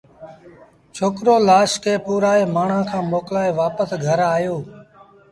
ڇوڪرو لآش کي پورآئي مآڻهآݩ کآݩ موڪلآئي وآپس گھر آيو